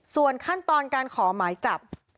ส่วนขั้นตอนการขอหมายจับ